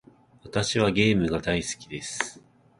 私はゲームが大好きです。